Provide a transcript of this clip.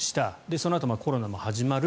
そのあとコロナも始まる。